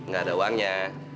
gak ada uangnya